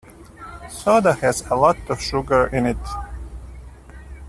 Soda has a lot of sugar in it.